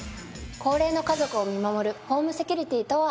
高齢の家族を見守るホームセキュリティとは？